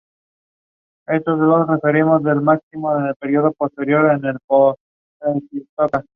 Sus fibras son oblicuas de arriba abajo y de adelante atrás.